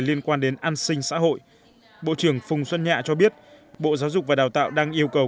liên quan đến an sinh xã hội bộ trưởng phùng xuân nhạ cho biết bộ giáo dục và đào tạo đang yêu cầu